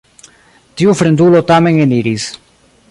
Tiu fremdulo tamen eniris.